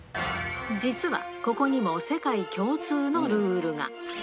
実は、ここにも世界共通のルールが。